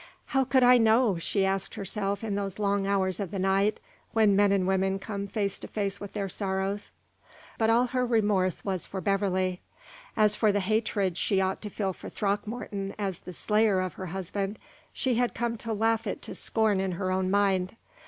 "How could I know," she asked herself in those long hours of the night when men and women come face to face with their sorrows. But all her remorse was for Beverley. As for the hatred she ought to feel for Throckmorton as the slayer of her husband, she had come to laugh it to scorn in her own mind.